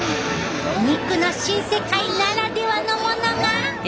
肉の新世界ならではのものが。